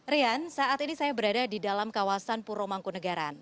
rian saat ini saya berada di dalam kawasan puromangkunegaran